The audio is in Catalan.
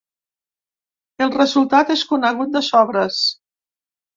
El resultat és conegut de sobres.